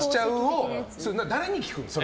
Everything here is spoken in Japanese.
誰に聞くんですか？